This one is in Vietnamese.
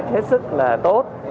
hết sức là tốt